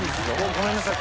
ごめんなさい。